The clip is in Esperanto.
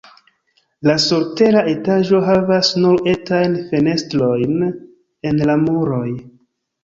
La surtera etaĝo havas nur etajn fenestrojn en la muroj.